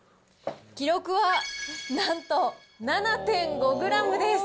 記録はなんと７．５グラムです。